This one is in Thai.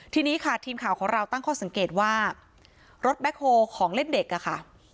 ทีนี้ค่ะทีมข่าวของเราตั้งข้อสังเกตว่ารถแบ็คโฮของเล่นเด็กอะค่ะ